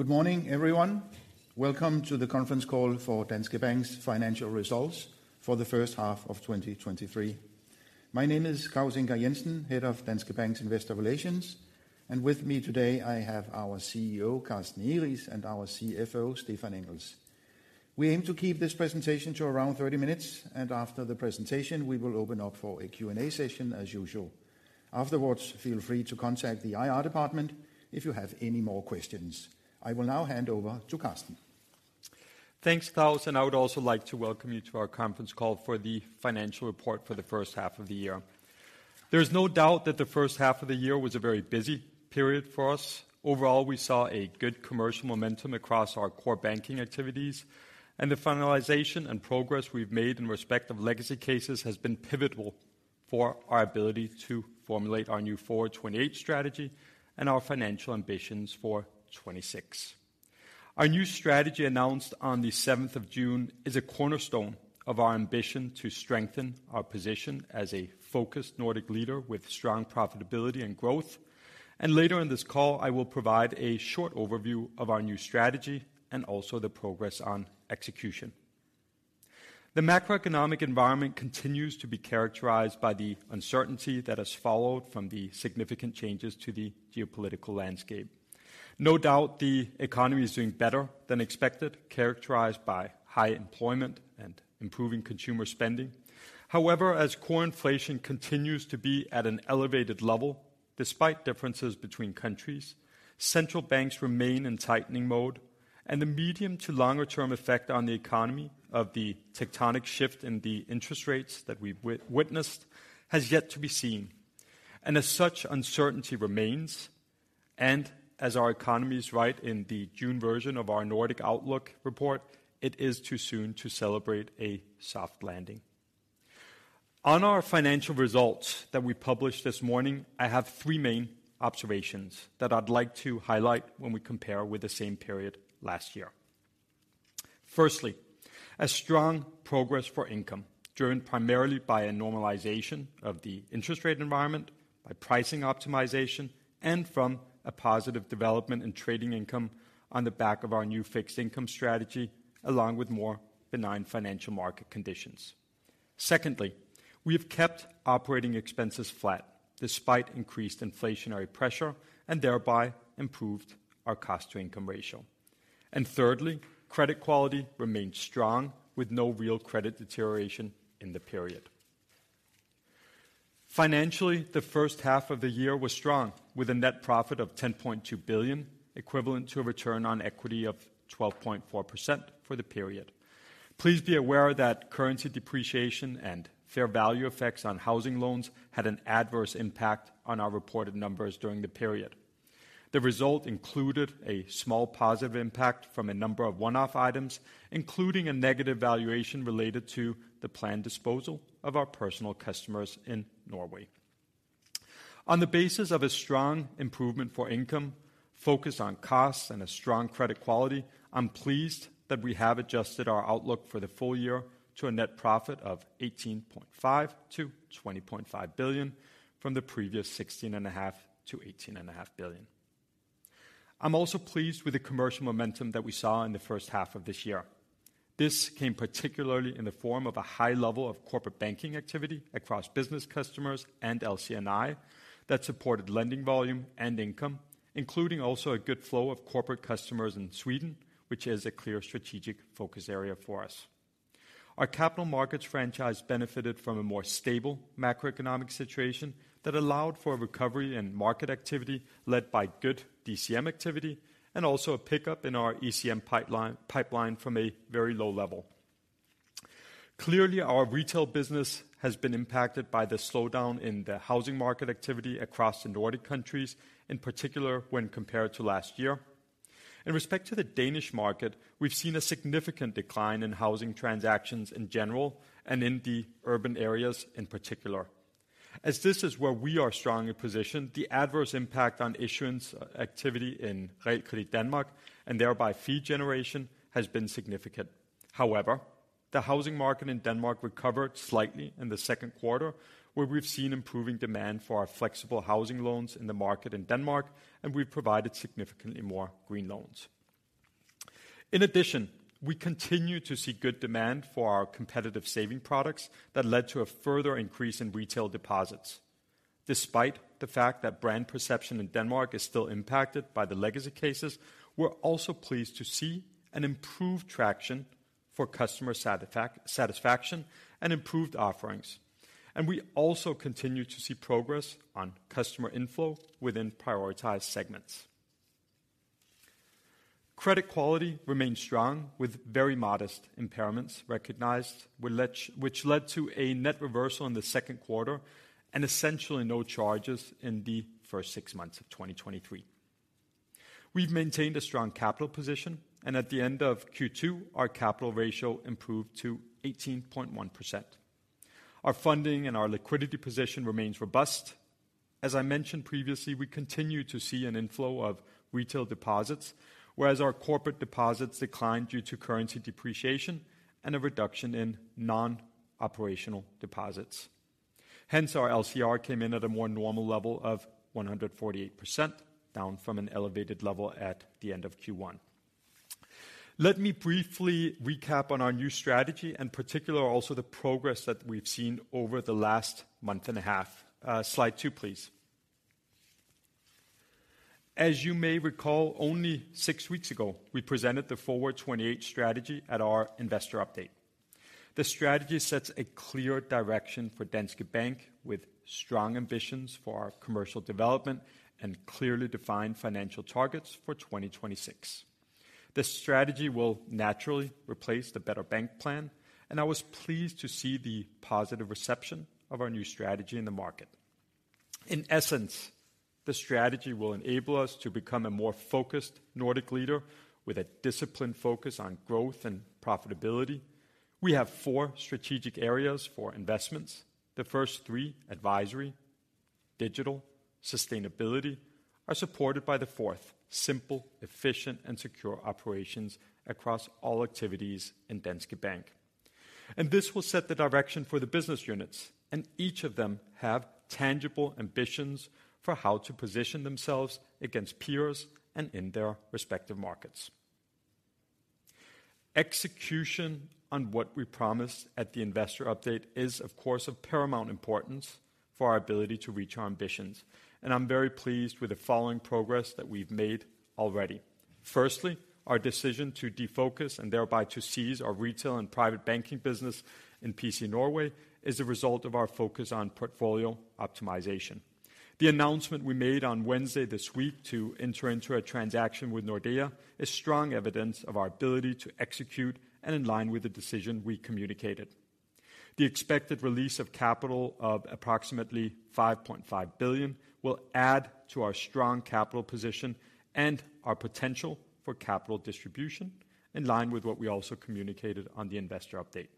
Good morning, everyone. Welcome to the conference call for Danske Bank's financial results for the first half of 2023. My name is Claus Ingar Jensen, Head of Danske Bank's Investor Relations, and with me today I have our CEO, Carsten Egeriis, and our CFO, Stephan Engels. We aim to keep this presentation to around 30 minutes, and after the presentation, we will open up for a Q&A session as usual. Afterwards, feel free to contact the IR department if you have any more questions. I will now hand over to Carsten. Thanks, Claus. I would also like to welcome you to our conference call for the financial report for the first half of the year. There's no doubt that the first half of the year was a very busy period for us. Overall, we saw a good commercial momentum across our core banking activities, and the finalization and progress we've made in respect of legacy cases has been pivotal for our ability to formulate our new Forward '28 strategy and our financial ambitions for 2026. Our new strategy, announced on the 7th of June, is a cornerstone of our ambition to strengthen our position as a focused Nordic leader with strong profitability and growth. Later in this call, I will provide a short overview of our new strategy and also the progress on execution. The macroeconomic environment continues to be characterized by the uncertainty that has followed from the significant changes to the geopolitical landscape. No doubt, the economy is doing better than expected, characterized by high employment and improving consumer spending. However, as core inflation continues to be at an elevated level, despite differences between countries, central banks remain in tightening mode. The medium to longer-term effect on the economy of the tectonic shift in the interest rates that we've witnessed has yet to be seen. As such, uncertainty remains. As our economies write in the June version of our Nordic Outlook report, it is too soon to celebrate a soft landing. On our financial results that we published this morning, I have three main observations that I'd like to highlight when we compare with the same period last year. Firstly, a strong progress for income, driven primarily by a normalization of the interest rate environment, by pricing optimization, and from a positive development in trading income on the back of our new fixed income strategy, along with more benign financial market conditions. Secondly, we have kept operating expenses flat, despite increased inflationary pressure, and thereby improved our cost-to-income ratio. Thirdly, credit quality remains strong, with no real credit deterioration in the period. Financially, the first half of the year was strong, with a net profit of 10.2 billion, equivalent to a return on equity of 12.4% for the period. Please be aware that currency depreciation and fair value effects on housing loans had an adverse impact on our reported numbers during the period. The result included a small positive impact from a number of one-off items, including a negative valuation related to the planned disposal of our Personal Customers Norway. On the basis of a strong improvement for income, focus on costs, and a strong credit quality, I'm pleased that we have adjusted our outlook for the full year to a net profit of 18.5 billion-20.5 billion from the previous 16.5 billion-18.5 billion. I'm also pleased with the commercial momentum that we saw in the first half of this year. This came particularly in the form of a high level of corporate banking activity across business customers and LCNI that supported lending volume and income, including also a good flow of corporate customers in Sweden, which is a clear strategic focus area for us. Our capital markets franchise benefited from a more stable macroeconomic situation that allowed for a recovery in market activity, led by good DCM activity and also a pickup in our ECM pipeline from a very low level. Clearly, our retail business has been impacted by the slowdown in the housing market activity across the Nordic countries, in particular, when compared to last year. In respect to the Danish market, we've seen a significant decline in housing transactions in general, and in the urban areas in particular. As this is where we are strongly positioned, the adverse impact on issuance activity in Realkredit Danmark, and thereby fee generation, has been significant. However, the housing market in Denmark recovered slightly in the second quarter, where we've seen improving demand for our flexible housing loans in the market in Denmark, and we've provided significantly more green loans. In addition, we continue to see good demand for our competitive saving products that led to a further increase in retail deposits. Despite the fact that brand perception in Denmark is still impacted by the legacy cases, we're also pleased to see an improved traction for customer satisfaction and improved offerings, and we also continue to see progress on customer inflow within prioritized segments. Credit quality remains strong, with very modest impairments recognized, which led to a net reversal in the second quarter and essentially no charges in the first six months of 2023. We've maintained a strong capital position, and at the end of Q2, our capital ratio improved to 18.1%. Our funding and our liquidity position remains robust. As I mentioned previously, we continue to see an inflow of retail deposits, whereas our corporate deposits declined due to currency depreciation and a reduction in non-operational deposits, hence our LCR came in at a more normal level of 148%, down from an elevated level at the end of Q1. Let me briefly recap on our new strategy, and particular also the progress that we've seen over the last month and a half. Slide 2, please. As you may recall, only 6 weeks ago, we presented the Forward '28 strategy at our investor update. The strategy sets a clear direction for Danske Bank, with strong ambitions for our commercial development and clearly defined financial targets for 2026. This strategy will naturally replace the Better Bank plan, and I was pleased to see the positive reception of our new strategy in the market. In essence, the strategy will enable us to become a more focused Nordic leader with a disciplined focus on growth and profitability. We have four strategic areas for investments. The first three, advisory, digital, sustainability, are supported by the fourth, simple, efficient, and secure operations across all activities in Danske Bank. This will set the direction for the business units, and each of them have tangible ambitions for how to position themselves against peers and in their respective markets. Execution on what we promised at the investor update is, of course, of paramount importance for our ability to reach our ambitions, and I'm very pleased with the following progress that we've made already. Firstly, our decision to defocus and thereby to seize our retail and private banking business in PC Norway is a result of our focus on portfolio optimization. The announcement we made on Wednesday this week to enter into a transaction with Nordea is strong evidence of our ability to execute and in line with the decision we communicated. The expected release of capital of approximately 5.5 billion will add to our strong capital position and our potential for capital distribution, in line with what we also communicated on the investor update.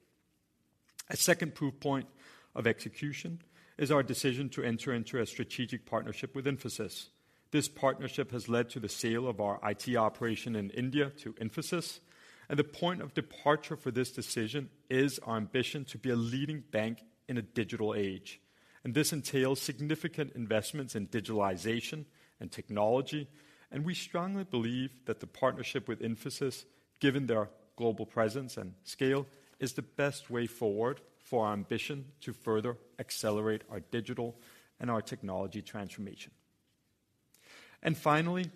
A second proof point of execution is our decision to enter into a strategic partnership with Infosys. This partnership has led to the sale of our IT operation in India to Infosys, and the point of departure for this decision is our ambition to be a leading bank in a digital age. This entails significant investments in digitalization and technology, and we strongly believe that the partnership with Infosys, given their global presence and scale, is the best way forward for our ambition to further accelerate our digital and our technology transformation. Finally,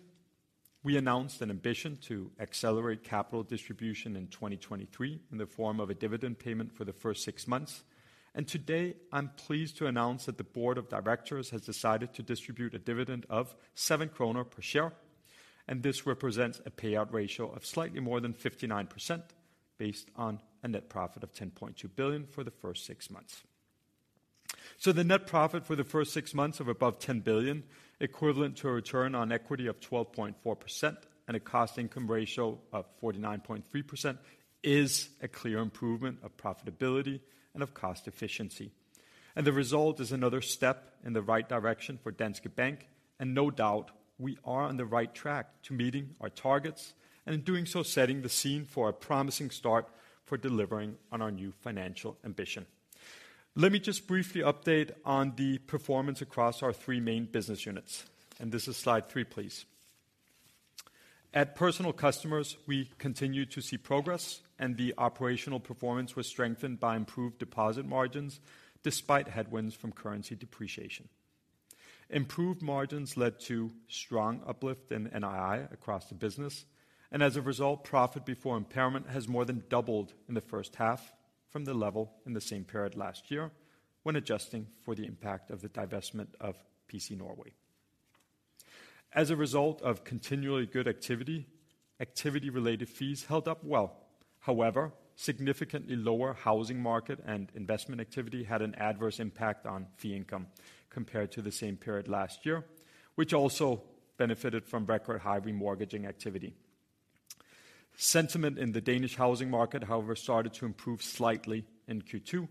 we announced an ambition to accelerate capital distribution in 2023 in the form of a dividend payment for the first six months. Today, I'm pleased to announce that the board of directors has decided to distribute a dividend of 7 kroner per share, and this represents a payout ratio of slightly more than 59%, based on a net profit of 10.2 billion for the first six months. The net profit for the first six months of above 10 billion, equivalent to a return on equity of 12.4% and a cost-to-income ratio of 49.3%, is a clear improvement of profitability and of cost efficiency. The result is another step in the right direction for Danske Bank, and no doubt, we are on the right track to meeting our targets, and in doing so, setting the scene for a promising start for delivering on our new financial ambition. Let me just briefly update on the performance across our three main business units, and this is slide 3, please. At Personal Customers, we continued to see progress, and the operational performance was strengthened by improved deposit margins, despite headwinds from currency depreciation. Improved margins led to strong uplift in NII across the business. As a result, profit before impairment has more than doubled in the first half from the level in the same period last year, when adjusting for the impact of the divestment of PC Norway. As a result of continually good activity-related fees held up well. However, significantly lower housing market and investment activity had an adverse impact on fee income compared to the same period last year, which also benefited from record high remortgaging activity. Sentiment in the Danish housing market, however, started to improve slightly in Q2,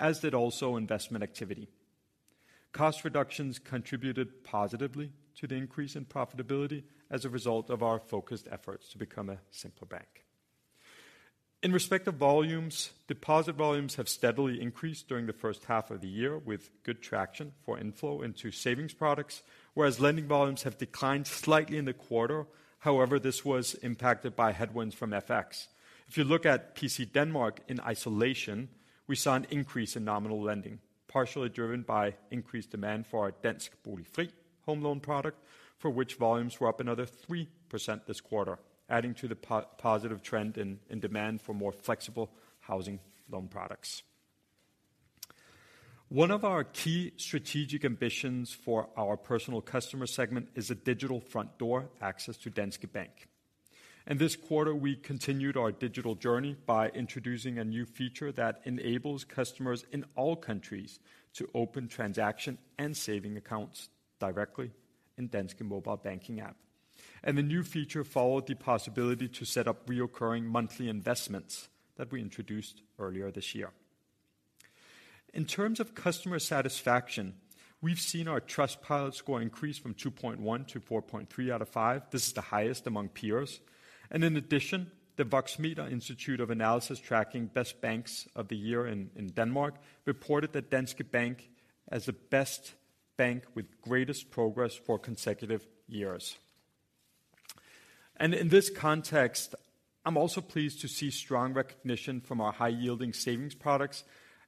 as did also investment activity. Cost reductions contributed positively to the increase in profitability as a result of our focused efforts to become a simpler bank. In respect of volumes, deposit volumes have steadily increased during the first half of the year, with good traction for inflow into savings products, whereas lending volumes have declined slightly in the quarter. However, this was impacted by headwinds from FX. If you look at PC Denmark in isolation, we saw an increase in nominal lending, partially driven by increased demand for our Danske Bolig Fri home loan product, for which volumes were up another 3% this quarter, adding to the positive trend in demand for more flexible housing loan products. One of our key strategic ambitions for our personal customer segment is a digital front door access to Danske Bank. This quarter, we continued our digital journey by introducing a new feature that enables customers in all countries to open transaction and saving accounts directly in Danske Mobile Banking app. The new feature followed the possibility to set up recurring monthly investments that we introduced earlier this year. In terms of customer satisfaction, we've seen our Trustpilot score increase from 2.1 to 4.3 out of five. This is the highest among peers. In addition, the Voxmeter Institute of Analysis tracking best banks of the year in Denmark, reported that Danske Bank as the best bank with greatest progress for consecutive years. In this context, I'm also pleased to see strong recognition from our high-yielding savings products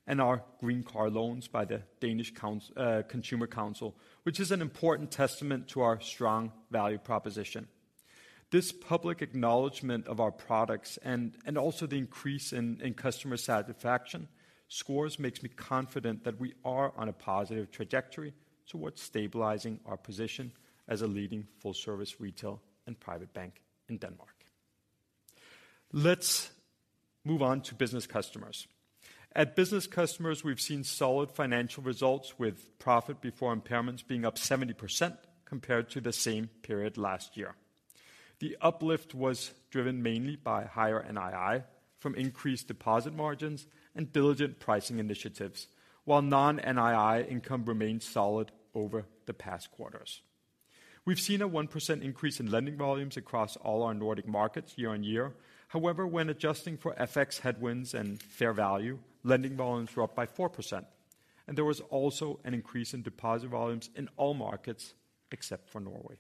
and our green car loans by the Danish Consumer Council, which is an important testament to our strong value proposition. This public acknowledgment of our products and also the increase in customer satisfaction scores, makes me confident that we are on a positive trajectory towards stabilizing our position as a leading full-service retail and private bank in Denmark. Let's move on to business customers. At business customers, we've seen solid financial results, with profit before impairments being up 70% compared to the same period last year. The uplift was driven mainly by higher NII from increased deposit margins and diligent pricing initiatives, while non-NII income remained solid over the past quarters. We've seen a 1% increase in lending volumes across all our Nordic markets year-on-year. However, when adjusting for FX headwinds and fair value, lending volumes were up by 4%, and there was also an increase in deposit volumes in all markets except for Norway.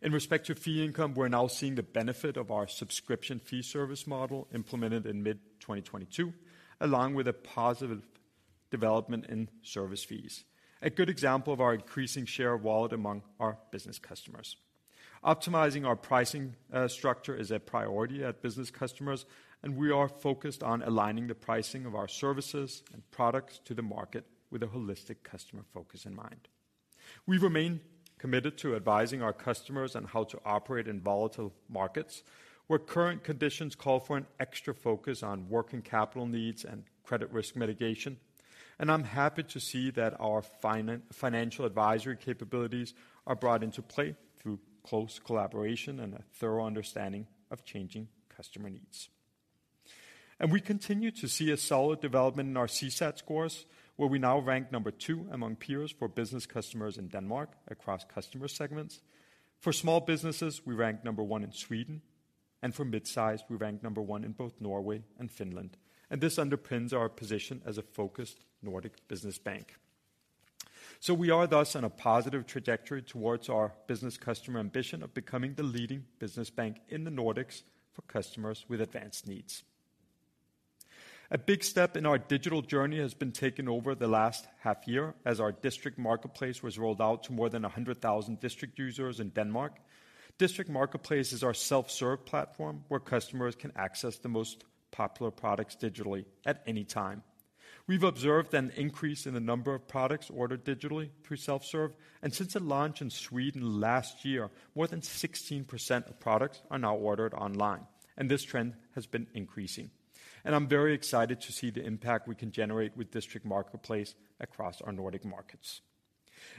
In respect to fee income, we're now seeing the benefit of our subscription fee service model implemented in mid-2022, along with a positive development in service fees. A good example of our increasing share of wallet among our business customers. Optimizing our pricing structure is a priority at business customers, we are focused on aligning the pricing of our services and products to the market with a holistic customer focus in mind. We remain committed to advising our customers on how to operate in volatile markets, where current conditions call for an extra focus on working capital needs and credit risk mitigation. I'm happy to see that our financial advisory capabilities are brought into play through close collaboration and a thorough understanding of changing customer needs. We continue to see a solid development in our CSAT scores, where we now rank number two among peers for business customers in Denmark across customer segments. For small businesses, we rank number one in Sweden, and for mid-size, we rank number one in both Norway and Finland, and this underpins our position as a focused Nordic business bank. We are thus on a positive trajectory towards our business customer ambition of becoming the leading business bank in the Nordics for customers with advanced needs. A big step in our digital journey has been taken over the last half year as our District Marketplace was rolled out to more than 100,000 District users in Denmark. District Marketplace is our self-serve platform, where customers can access the most popular products digitally at any time. We've observed an increase in the number of products ordered digitally through self-serve, and since the launch in Sweden last year, more than 16% of products are now ordered online, and this trend has been increasing. I'm very excited to see the impact we can generate with District Marketplace across our Nordic markets.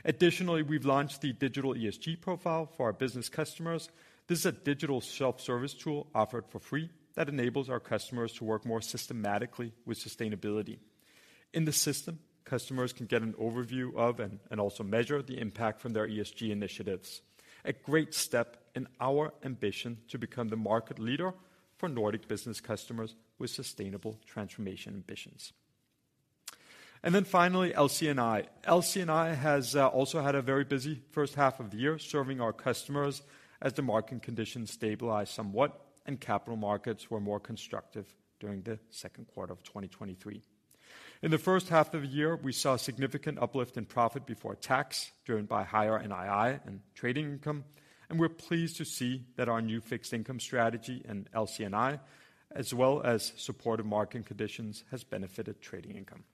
Additionally, we've launched the digital ESG Profile for our business customers. This is a digital self-service tool offered for free that enables our customers to work more systematically with sustainability. In the system, customers can get an overview of and also measure the impact from their ESG initiatives, a great step in our ambition to become the market leader for Nordic business customers with sustainable transformation ambitions. Finally, LCNI. LCNI has also had a very busy first half of the year, serving our customers as the market conditions stabilized somewhat and capital markets were more constructive during the second quarter of 2023. In the first half of the year, we saw a significant uplift in profit before tax, driven by higher NII and trading income, and we're pleased to see that our new fixed income strategy in LCNI, as well as supportive market conditions, has benefited trading income.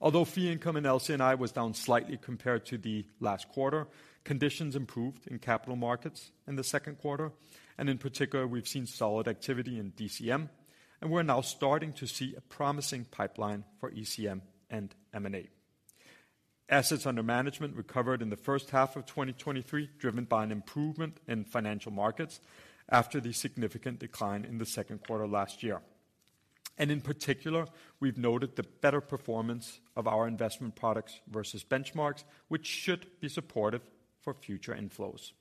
Although fee income in LCNI was down slightly compared to the last quarter, conditions improved in capital markets in the second quarter, and in particular, we've seen solid activity in DCM, and we're now starting to see a promising pipeline for ECM and M&A. Assets under management recovered in the first half of 2023, driven by an improvement in financial markets after the significant decline in the second quarter last year. In particular, we've noted the better performance of our investment products versus benchmarks, which should be supportive for future inflows.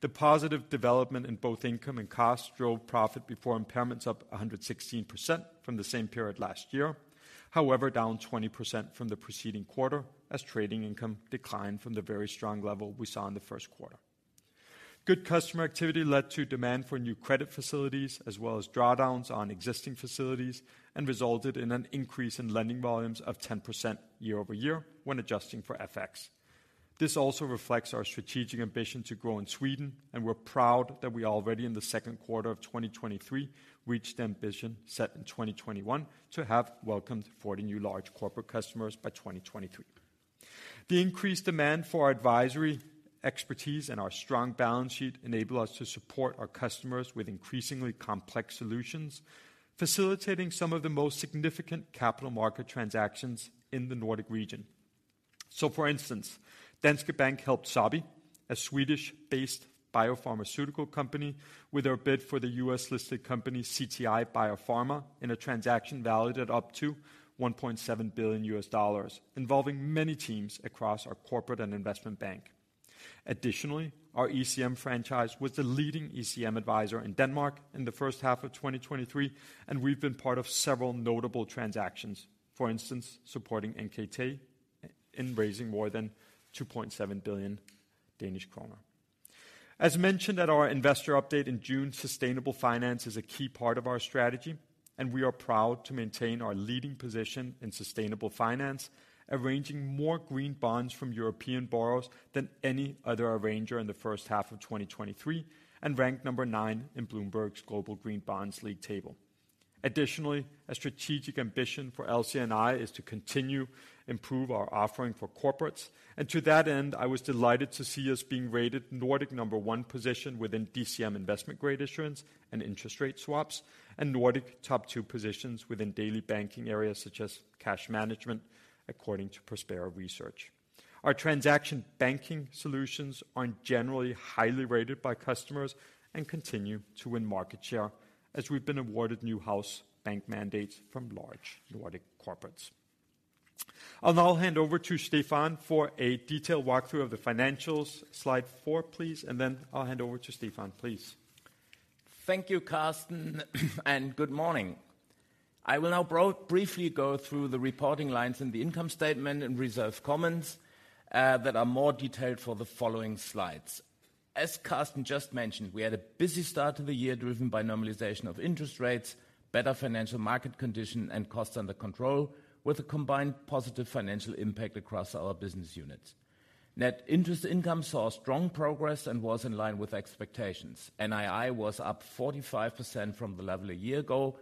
The positive development in both income and costs drove profit before impairments up 116% from the same period last year, however, down 20% from the preceding quarter, as trading income declined from the very strong level we saw in the first quarter. Good customer activity led to demand for new credit facilities, as well as drawdowns on existing facilities, and resulted in an increase in lending volumes of 10% year-over-year when adjusting for FX. This also reflects our strategic ambition to grow in Sweden. We're proud that we already, in the second quarter of 2023, reached the ambition set in 2021 to have welcomed 40 new large corporate customers by 2023. The increased demand for our advisory expertise and our strong balance sheet enable us to support our customers with increasingly complex solutions, facilitating some of the most significant capital market transactions in the Nordic region. For instance, Danske Bank helped Sobi, a Swedish-based biopharmaceutical company, with their bid for the U.S.-listed company, CTI BioPharma, in a transaction valued at up to $1.7 billion, involving many teams across our corporate and investment bank. Additionally, our ECM franchise was the leading ECM advisor in Denmark in the first half of 2023. We've been part of several notable transactions. For instance, supporting NKT in raising more than 2.7 billion Danish kroner. As mentioned at our investor update in June, sustainable finance is a key part of our strategy, and we are proud to maintain our leading position in sustainable finance, arranging more green bonds from European borrowers than any other arranger in the first half of 2023, and ranked number 9 in Bloomberg's global green bonds league table. Additionally, a strategic ambition for LCNI is to continue improve our offering for corporates, and to that end, I was delighted to see us being rated Nordic number 1 position within DCM investment grade issuance and interest rate swaps, and Nordic top 2 positions within daily banking areas such as cash management, according to Prospera Research. Our transaction banking solutions are generally highly rated by customers and continue to win market share, as we've been awarded new house bank mandates from large Nordic corporates. I'll now hand over to Stefan for a detailed walkthrough of the financials. Slide four, please. I'll hand over to Stefan. Thank you, Carsten. Good morning. I will now briefly go through the reporting lines in the income statement and reserve comments that are more detailed for the following slides. As Carsten just mentioned, we had a busy start to the year, driven by normalization of interest rates, better financial market condition, and costs under control, with a combined positive financial impact across our business units. Net interest income saw strong progress and was in line with expectations. NII was up 45% from the level a year ago,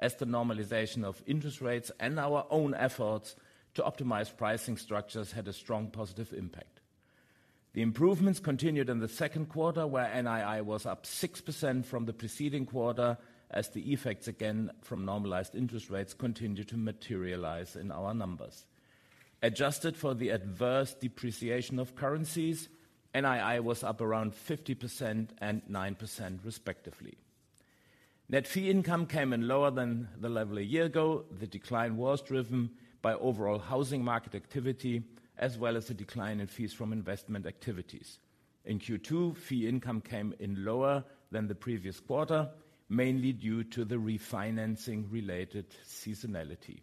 as the normalization of interest rates and our own efforts to optimize pricing structures had a strong positive impact. The improvements continued in the second quarter, where NII was up 6% from the preceding quarter, as the effects again from normalized interest rates continued to materialize in our numbers. Adjusted for the adverse depreciation of currencies, NII was up around 50% and 9% respectively. Net fee income came in lower than the level a year ago. The decline was driven by overall housing market activity, as well as a decline in fees from investment activities. In Q2, fee income came in lower than the previous quarter, mainly due to the refinancing related seasonality.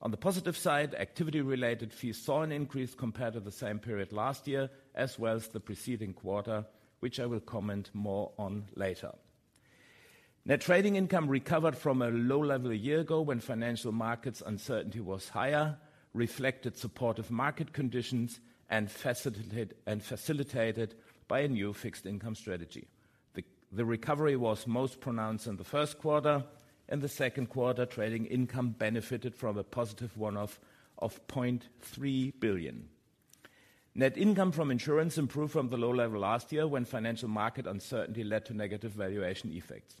On the positive side, activity-related fees saw an increase compared to the same period last year, as well as the preceding quarter, which I will comment more on later. Net trading income recovered from a low level a year ago, when financial markets uncertainty was higher, reflected supportive market conditions and facilitated by a new fixed income strategy. The recovery was most pronounced in the first quarter, and the second quarter, trading income benefited from a positive one-off of 0.3 billion. Net income from insurance improved from the low level last year, when financial market uncertainty led to negative valuation effects.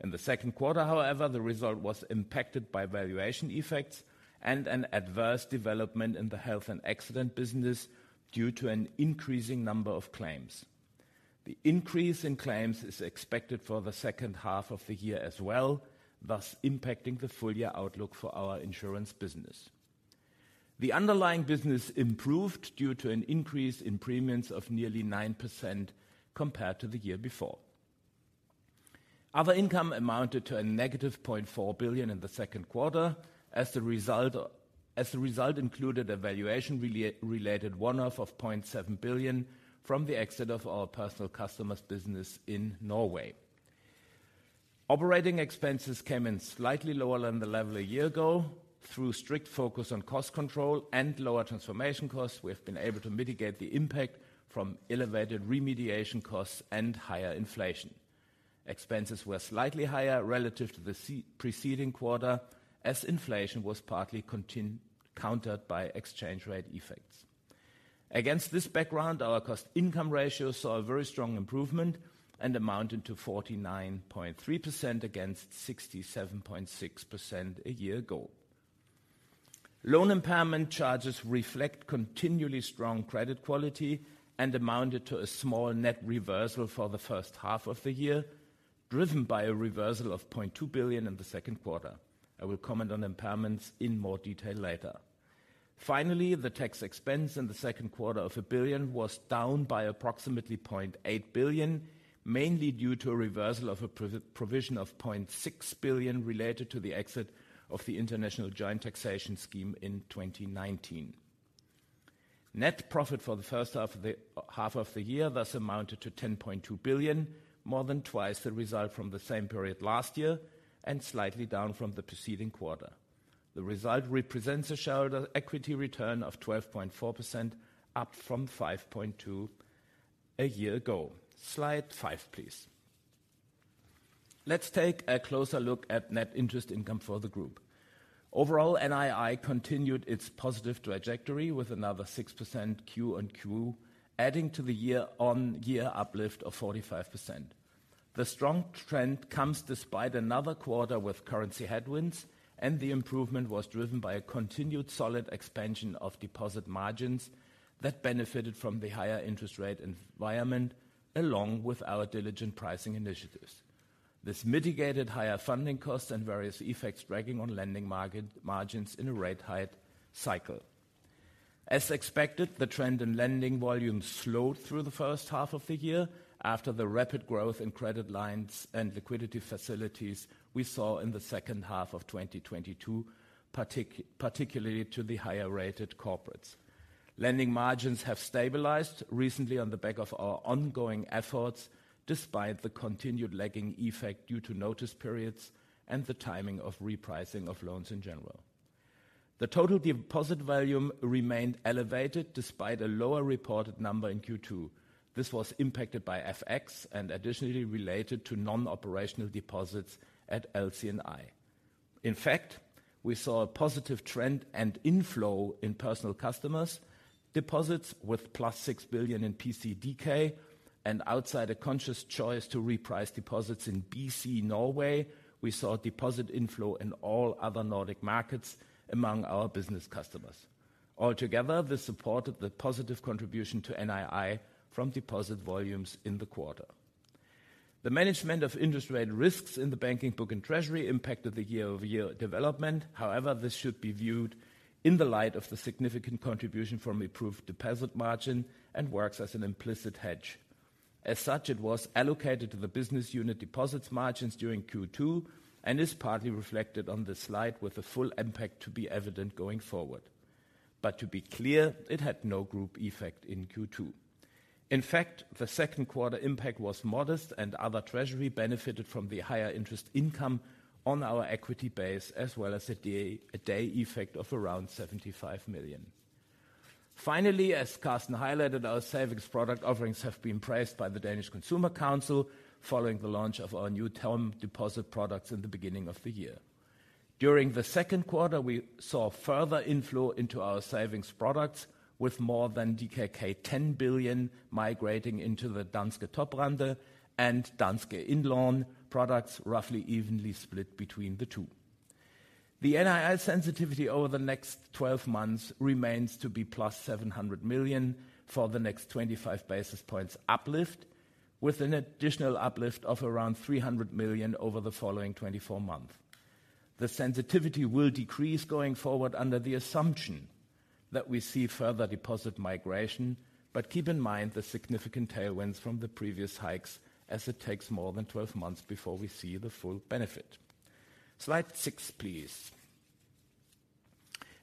In the second quarter, however, the result was impacted by valuation effects and an adverse development in the health and accident business due to an increasing number of claims. The increase in claims is expected for the second half of the year as well, thus impacting the full year outlook for our insurance business. The underlying business improved due to an increase in premiums of nearly 9% compared to the year before. Other income amounted to a negative 0.4 billion in the second quarter, as the result included a valuation related one-off of 0.7 billion from the exit of our Personal Customers business in Norway. Operating expenses came in slightly lower than the level a year ago. Through strict focus on cost control and lower transformation costs, we have been able to mitigate the impact from elevated remediation costs and higher inflation. Expenses were slightly higher relative to the preceding quarter, as inflation was partly countered by exchange rate effects. Against this background, our cost-to-income ratio saw a very strong improvement and amounted to 49.3% against 67.6% a year ago. Loan impairment charges reflect continually strong credit quality and amounted to a small net reversal for the first half of the year, driven by a reversal of 0.2 billion in the second quarter. I will comment on impairments in more detail later. The tax expense in the second quarter of a billion DKK was down by approximately 0.8 billion, mainly due to a reversal of a provision of 0.6 billion related to the exit of the international joint taxation scheme in 2019. Net profit for the first half of the year, thus amounted to 10.2 billion, more than twice the result from the same period last year, and slightly down from the preceding quarter. The result represents a shareholder equity return of 12.4%, up from 5.2% a year ago. Slide 5, please. Let's take a closer look at net interest income for the group. Overall, NII continued its positive trajectory with another 6% Q on Q, adding to the year-on-year uplift of 45%. The strong trend comes despite another quarter with currency headwinds, and the improvement was driven by a continued solid expansion of deposit margins that benefited from the higher interest rate environment, along with our diligent pricing initiatives. This mitigated higher funding costs and various effects dragging on lending margins in a rate height cycle. As expected, the trend in lending volumes slowed through the first half of the year after the rapid growth in credit lines and liquidity facilities we saw in the second half of 2022, particularly to the higher-rated corporates. Lending margins have stabilized recently on the back of our ongoing efforts, despite the continued lagging effect due to notice periods and the timing of repricing of loans in general. The total deposit volume remained elevated despite a lower reported number in Q2. This was impacted by FX and additionally related to non-operational deposits at LCNI. In fact, we saw a positive trend and inflow in personal customers' deposits with +6 billion in PCDK and outside a conscious choice to reprice deposits in BC, Norway, we saw deposit inflow in all other Nordic markets among our business customers. Altogether, this supported the positive contribution to NII from deposit volumes in the quarter. The management of interest rate risks in the banking book and treasury impacted the year-over-year development. This should be viewed in the light of the significant contribution from improved deposit margin and works as an implicit hedge. As such, it was allocated to the business unit deposits margins during Q2 and is partly reflected on this slide with the full impact to be evident going forward. To be clear, it had no group effect in Q2. In fact, the second quarter impact was modest, other treasury benefited from the higher interest income on our equity base, as well as a day effect of around 75 million. As Carsten highlighted, our savings product offerings have been praised by the Danish Consumer Council following the launch of our new term deposit products in the beginning of the year. During the second quarter, we saw further inflow into our savings products with more than DKK 10 billion migrating into the Danske Toprente and Danske Indlån products, roughly evenly split between the two. The NII sensitivity over the next 12 months remains to be + 700 million for the next 25 basis points uplift, with an additional uplift of around 300 million over the following 24 months. The sensitivity will decrease going forward under the assumption that we see further deposit migration, but keep in mind the significant tailwinds from the previous hikes as it takes more than 12 months before we see the full benefit. Slide 6, please.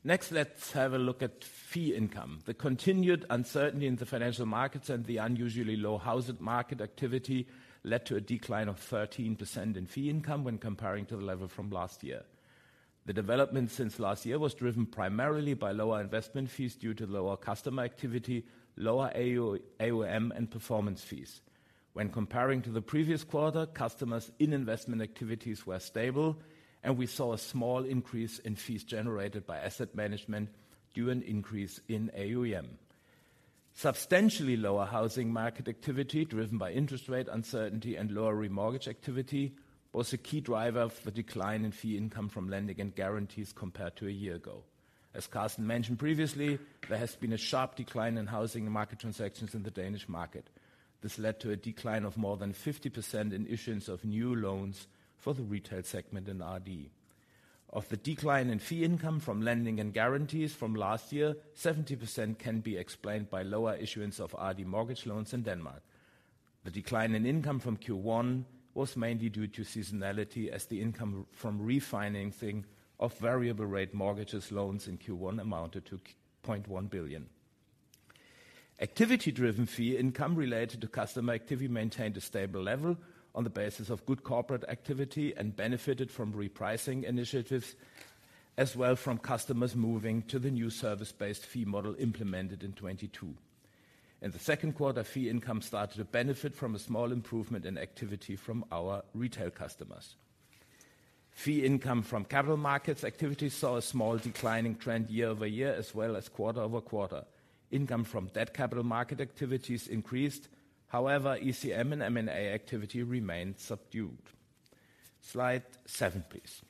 Let's have a look at fee income. The continued uncertainty in the financial markets and the unusually low housing market activity led to a decline of 13% in fee income when comparing to the level from last year. The development since last year was driven primarily by lower investment fees due to lower customer activity, lower AUM and performance fees. When comparing to the previous quarter, customers in investment activities were stable, and we saw a small increase in fees generated by asset management due an increase in AUM. Substantially lower housing market activity, driven by interest rate uncertainty and lower remortgage activity, was a key driver of the decline in fee income from lending and guarantees compared to a year ago. As Carsten Egeriis mentioned previously, there has been a sharp decline in housing and market transactions in the Danish market. This led to a decline of more than 50% in issuance of new loans for the retail segment in RD. Of the decline in fee income from lending and guarantees from last year, 70% can be explained by lower issuance of RD mortgage loans in Denmark. The decline in income from Q1 was mainly due to seasonality, as the income from refinancing of variable rate mortgages loans in Q1 amounted to 0.1 billion. Activity-driven fee income related to customer activity maintained a stable level on the basis of good corporate activity and benefited from repricing initiatives, as well from customers moving to the new service-based fee model implemented in 2022. In the second quarter, fee income started to benefit from a small improvement in activity from our retail customers. Fee income from capital markets activities saw a small declining trend year-over-year, as well as quarter-over-quarter. Income from debt capital market activities increased, however, ECM and M&A activity remained subdued. Slide 7, please.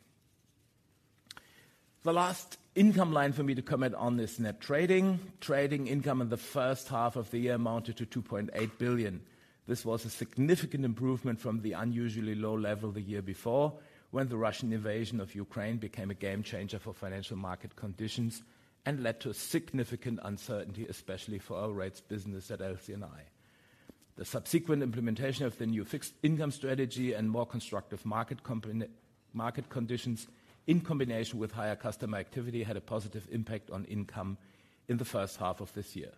The last income line for me to comment on this net trading. Trading income in the first half of the year amounted to 2.8 billion. This was a significant improvement from the unusually low level the year before, when the Russian invasion of Ukraine became a game changer for financial market conditions and led to a significant uncertainty, especially for our rates business at LCNI. The subsequent implementation of the new fixed income strategy and more constructive market conditions, in combination with higher customer activity, had a positive impact on income in the first half of this year.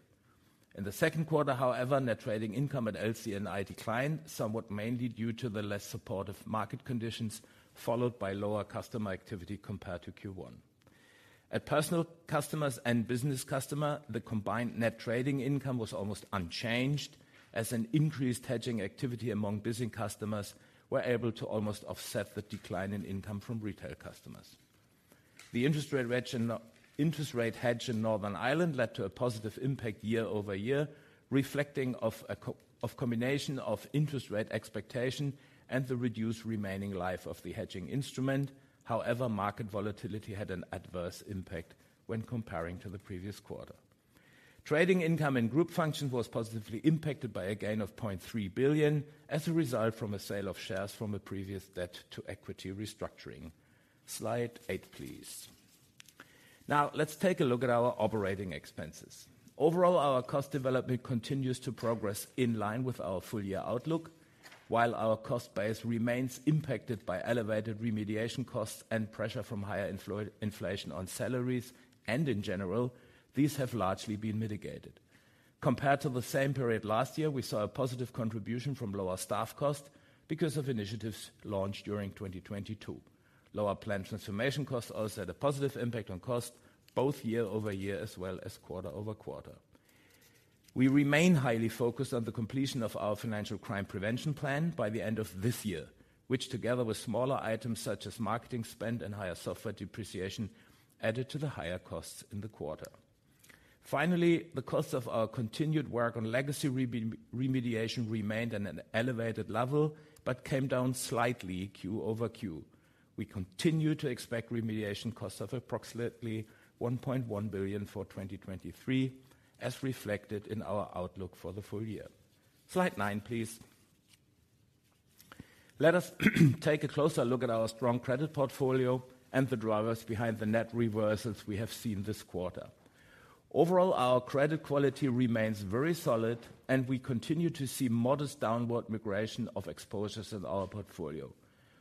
In the second quarter, however, net trading income at LCNI declined, somewhat mainly due to the less supportive market conditions, followed by lower customer activity compared to Q1. At personal customers and business customer, the combined net trading income was almost unchanged, as an increased hedging activity among business customers were able to almost offset the decline in income from retail customers. The interest rate hedge in Northern Ireland led to a positive impact year-over-year, reflecting of combination of interest rate expectation and the reduced remaining life of the hedging instrument. However, market volatility had an adverse impact when comparing to the previous quarter. Trading income and group function was positively impacted by a gain of 0.3 billion as a result from a sale of shares from a previous debt to equity restructuring. Slide eight, please. Now, let's take a look at our operating expenses. Overall, our cost development continues to progress in line with our full year outlook. While our cost base remains impacted by elevated remediation costs and pressure from higher inflation on salaries, and in general, these have largely been mitigated. Compared to the same period last year, we saw a positive contribution from lower staff costs because of initiatives launched during 2022. Lower plan transformation costs also had a positive impact on costs, both year-over-year as well as quarter-over-quarter. We remain highly focused on the completion of our financial crime prevention plan by the end of this year, which together with smaller items such as marketing spend and higher software depreciation, added to the higher costs in the quarter. Finally, the cost of our continued work on legacy remediation remained at an elevated level, but came down slightly Q-over-Q. We continue to expect remediation costs of approximately 1.1 billion for 2023, as reflected in our outlook for the full year. Slide 9, please. Let us take a closer look at our strong credit portfolio and the drivers behind the net reversals we have seen this quarter. Overall, our credit quality remains very solid, and we continue to see modest downward migration of exposures in our portfolio.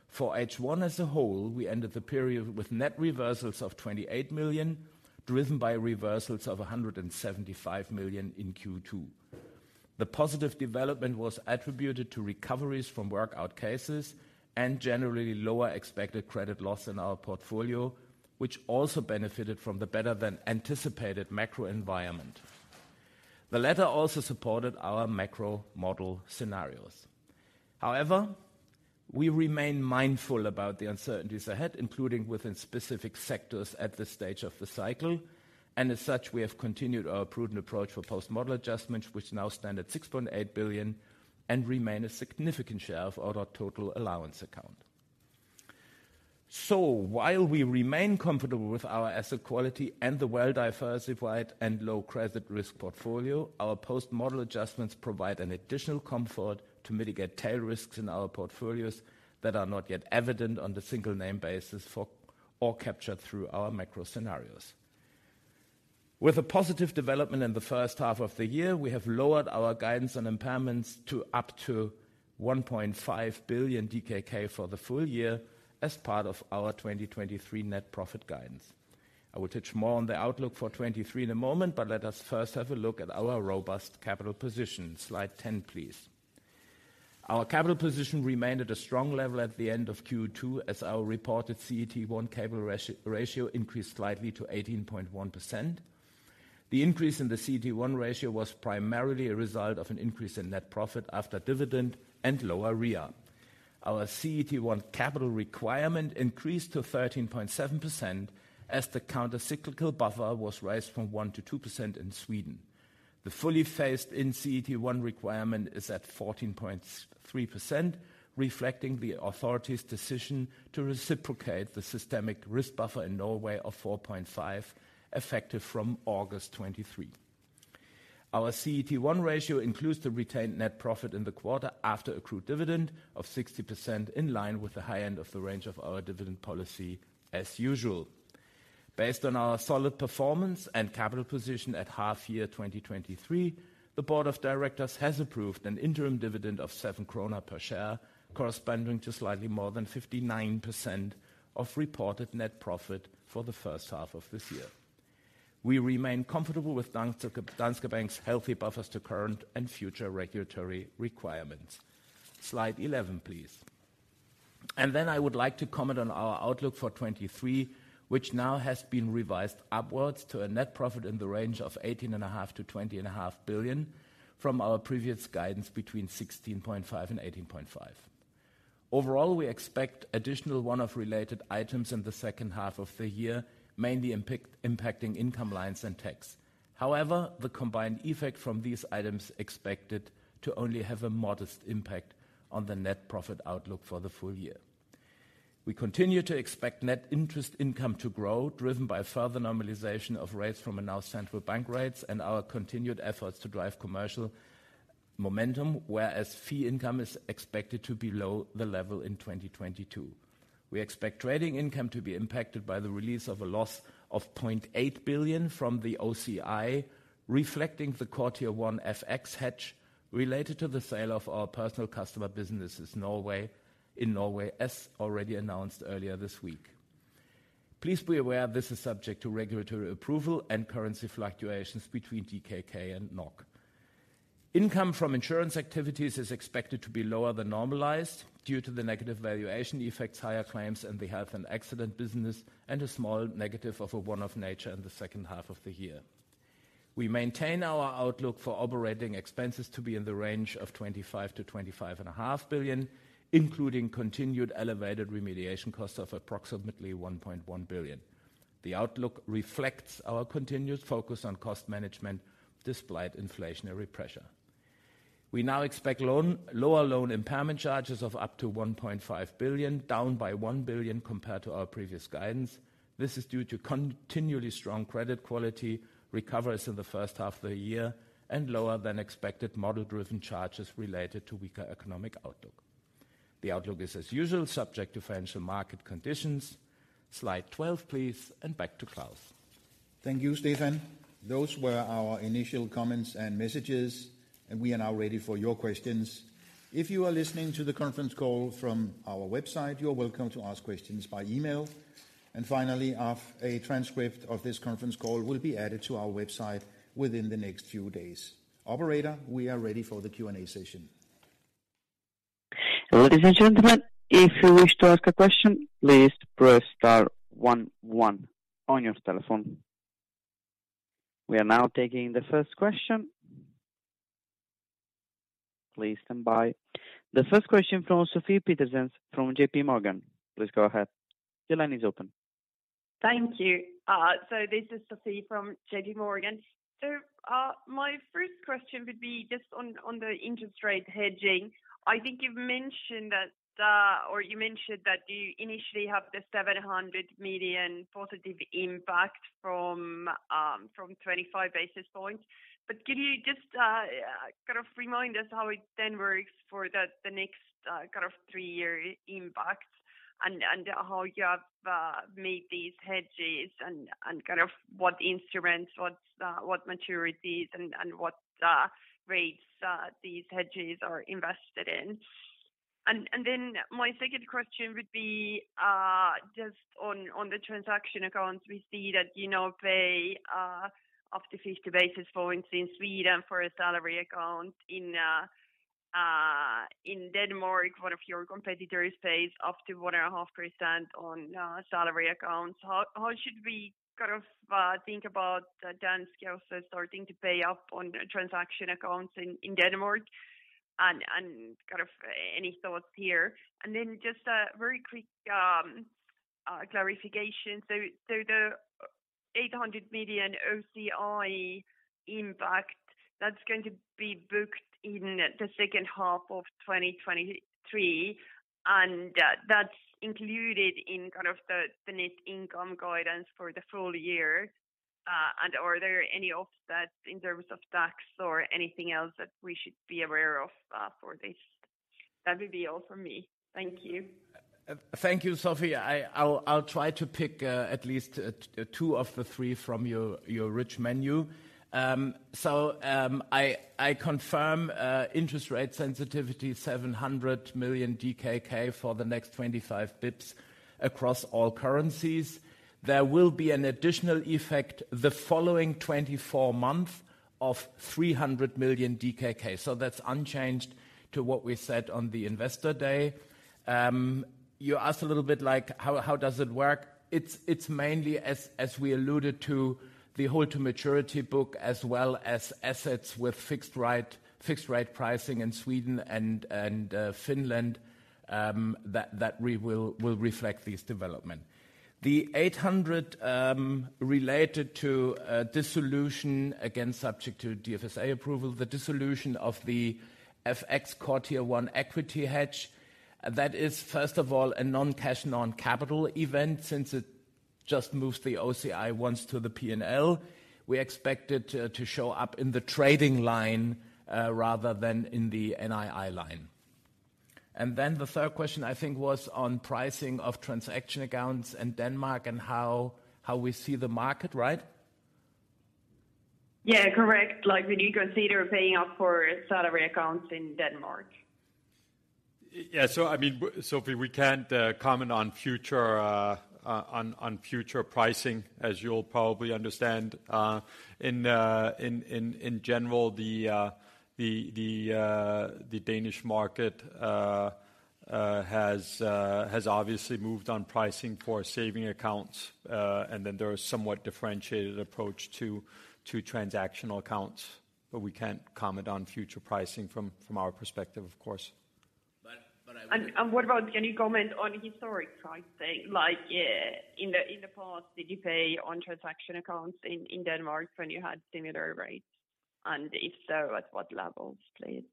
For H1 as a whole, we ended the period with net reversals of 28 million, driven by reversals of 175 million in Q2. The positive development was attributed to recoveries from workout cases and generally lower expected credit loss in our portfolio, which also benefited from the better-than-anticipated macro environment. The latter also supported our macro model scenarios. However, we remain mindful about the uncertainties ahead, including within specific sectors at this stage of the cycle, and as such, we have continued our prudent approach for post-model adjustments, which now stand at 6.8 billion and remain a significant share of our total allowance account. While we remain comfortable with our asset quality and the well-diversified and low credit risk portfolio, our post-model adjustments provide an additional comfort to mitigate tail risks in our portfolios that are not yet evident on the single name basis or captured through our macro scenarios. With a positive development in the first half of the year, we have lowered our guidance and impairments to up to 1.5 billion DKK for the full year as part of our 2023 net profit guidance. I will touch more on the outlook for 2023 in a moment. Let us first have a look at our robust capital position. Slide 10, please. Our capital position remained at a strong level at the end of Q2, as our reported CET1 capital ratio increased slightly to 18.1%. The increase in the CET1 ratio was primarily a result of an increase in net profit after dividend and lower REA. Our CET1 capital requirement increased to 13.7% as the countercyclical buffer was raised from 1%-2% in Sweden. The fully phased-in CET1 requirement is at 14.3%, reflecting the authority's decision to reciprocate the systemic risk buffer in Norway of 4.5%, effective from August 2023. Our CET1 ratio includes the retained net profit in the quarter after accrued dividend of 60%, in line with the high end of the range of our dividend policy as usual. Based on our solid performance and capital position at half year 2023, the board of directors has approved an interim dividend of 7 krone per share, corresponding to slightly more than 59% of reported net profit for the first half of this year. We remain comfortable with Danske Bank's healthy buffers to current and future regulatory requirements. Slide 11, please. I would like to comment on our outlook for 2023, which now has been revised upwards to a net profit in the range of 18.5 billion-20.5 billion from our previous guidance between 16.5 billion and 18.5 billion. Overall, we expect additional one-off related items in the second half of the year, mainly impacting income lines and tax. However, the combined effect from these items expected to only have a modest impact on the net profit outlook for the full year. We continue to expect net interest income to grow, driven by further normalization of rates from announced central bank rates and our continued efforts to drive commercial momentum, whereas fee income is expected to be below the level in 2022. We expect trading income to be impacted by the release of a loss of 0.8 billion from the OCI, reflecting the quarter one FX hedge related to the sale of our Personal Customers Norway businesses, in Norway, as already announced earlier this week. Please be aware this is subject to regulatory approval and currency fluctuations between DKK and NOK. Income from insurance activities is expected to be lower than normalized due to the negative valuation effects, higher claims in the health and accident business, and a small negative of a one-off nature in the second half of the year. We maintain our outlook for operating expenses to be in the range of 25 billion-25.5 billion, including continued elevated remediation costs of approximately 1.1 billion. The outlook reflects our continued focus on cost management, despite inflationary pressure. We now expect lower loan impairment charges of up to 1.5 billion, down by 1 billion compared to our previous guidance. This is due to continually strong credit quality, recoveries in the first half of the year, and lower than expected model-driven charges related to weaker economic outlook. The outlook is, as usual, subject to financial market conditions. Slide 12, please, and back to Claus. Thank you, Stephan Engels. Those were our initial comments and messages. We are now ready for your questions. If you are listening to the conference call from our website, you are welcome to ask questions by email. Finally, a transcript of this conference call will be added to our website within the next few days. Operator, we are ready for the Q&A session. Ladies and gentlemen, if you wish to ask a question, please press star one one on your telephone. We are now taking the first question. Please stand by. The first question from Sofie Peterzens from JP Morgan. Please go ahead. The line is open. Thank you. This is Sofie from JPMorgan. My first question would be just on the interest rate hedging. I think you've mentioned that or you mentioned that you initially have the 700 million positive impact from 25 basis points. Can you just kind of remind us how it then works for the next kind of 3-year impact? How you have made these hedges and kind of what instruments, what maturities and what rates these hedges are invested in. Then my second question would be just on the transaction accounts, we see that, you know, pay up to 50 basis points in Sweden for a salary account. In Denmark, one of your competitors pays up to 1.5% on salary accounts. How should we kind of think about Danske also starting to pay up on transaction accounts in Denmark? Kind of any thoughts here. Just a very quick clarification. The 800 million OCI impact, that's going to be booked in the second half of 2023, that's included in kind of the net income guidance for the full year. Are there any offsets in terms of tax or anything else that we should be aware of for this? That would be all for me. Thank you. Thank you, Sophie. I'll try to pick at least two of the three from your rich menu. I confirm interest rate sensitivity, 700 million DKK for the next 25 basis points across all currencies. There will be an additional effect the following 24 month of 300 million DKK, that's unchanged to what we said on the Investor Day. You asked a little bit like, how does it work? It's mainly as we alluded to, the hold-to-maturity book, as well as assets with fixed rate pricing in Sweden and Finland, that we will reflect these development. The 800, related to dissolution, again, subject to DFSA approval, the dissolution of the FX Core Tier one equity hedge. That is, first of all, a non-cash, non-capital event, since it just moves the OCI ones to the P&L. We expect it to show up in the trading line, rather than in the NII line. Then the third question, I think, was on pricing of transaction accounts in Denmark and how we see the market, right? Yeah, correct. Like, would you consider paying off for salary accounts in Denmark? I mean, Sophie, we can't comment on future pricing, as you'll probably understand. In general, the Danish market has obviously moved on pricing for saving accounts, and then there are somewhat differentiated approach to transactional accounts, but we can't comment on future pricing from our perspective, of course. But, but I would- What about, can you comment on historic pricing? Like, in the past, did you pay on transaction accounts in Denmark when you had similar rates? If so, at what levels, please?